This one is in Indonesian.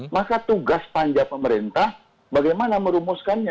maka tugas panja pemerintah bagaimana merumuskannya